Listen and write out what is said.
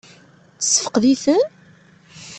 Tessefqed-iten?